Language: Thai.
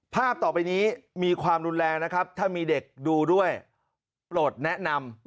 ต่อไปนี้มีความรุนแรงนะครับถ้ามีเด็กดูด้วยโปรดแนะนำ